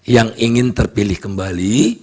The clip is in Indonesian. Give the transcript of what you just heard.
yang ingin terpilih kembali